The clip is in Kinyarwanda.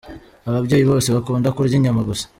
Ababyeyi bose bakunda kurya inyama gusa.